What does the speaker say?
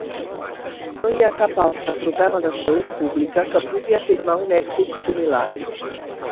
No hi ha cap altre programa de salut pública que pugui afirmar un èxit similar.